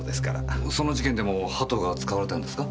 その事件でも鳩が使われたんですか？